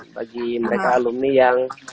bagi mereka alumni yang